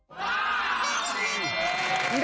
ว้าววิ่ง